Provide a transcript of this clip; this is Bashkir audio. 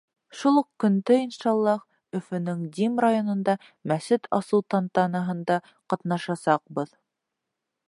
Шул уҡ көндө, иншаллаһ, Өфөнөң Дим районында мәсет асыу тантанаһында ҡатнашасаҡбыҙ.